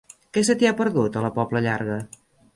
Què se t'hi ha perdut, a la Pobla Llarga?